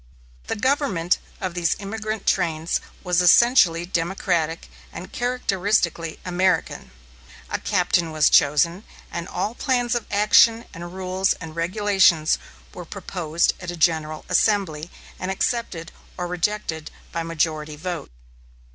The government of these emigrant trains was essentially democratic and characteristically American. A captain was chosen, and all plans of action and rules and regulations were proposed at a general assembly, and accepted or rejected by majority vote.